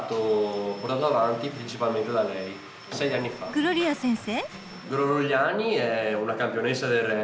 グロリア先生？